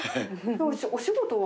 お仕事は？